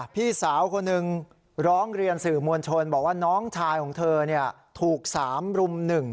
พี่สาวคนหนึ่งร้องเรียนสื่อมวลชนบอกว่าน้องชายของเธอถูก๓รุ่ม๑